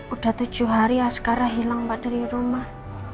udah tujuh hari askara hilang mbak dari rumah